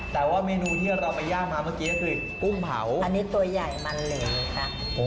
แต่ว่าเมนูที่เราไปย่างมาเมื่อกี้ก็คือกุ้งเผาอันนี้ตัวใหญ่มันเหลค่ะ